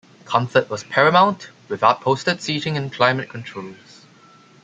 Comfort was paramount, with upholstered seating and climate controls.